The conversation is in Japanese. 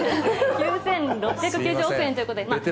９６９０億円ということで。